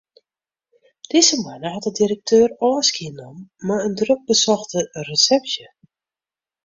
Dizze moanne hat de direkteur ôfskie nommen mei in drok besochte resepsje.